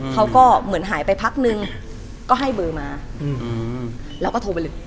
เขาก็เหมือนหายไปพักนึงก็ให้เบอร์มาแล้วก็โทรไปเลย